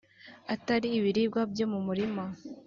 atari ibiribwa byo mu murima